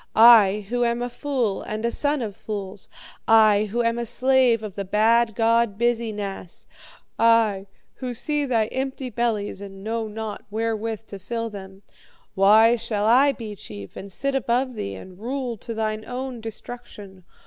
I, who am a fool and a son of fools; I, who am the slave of the bad god Biz e Nass; I, who see thy empty bellies and knew not wherewith to fill them why shall I be chief, and sit above thee, and rule to thine own destruction?